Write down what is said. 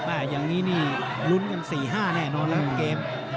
อ่าอย่างนี้นี่รุ้นกันสี่ห้าแน่เนอะแล้วรอบเกม